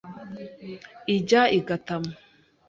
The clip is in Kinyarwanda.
Ijya i Gatamu